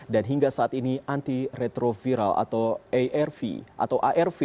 dan hingga saat ini anti retroviral atau arv